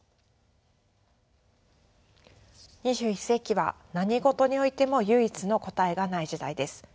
２１世紀は何事においても唯一の答えがない時代です。